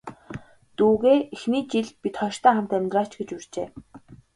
Дүүгээ эхний жил бид хоёртой хамт амьдраач гэж урьжээ.